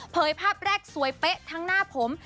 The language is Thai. ภาพแรกสวยเป๊ะทั้งหน้าผม